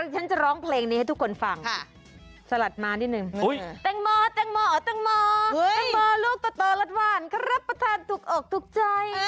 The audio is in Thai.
ฉันจะร้องเพลงนี้ให้ทุกคนฟังสลัดมานิดนึงตังโมตังโมตังโมตังโมลูกต่อลัดว่านครับประธานตุ๊กอกตุ๊กใจ